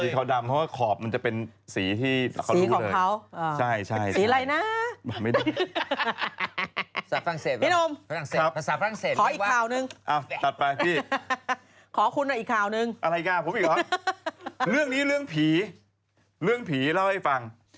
ใช่ถ้ามันเป็นสีขาวดำ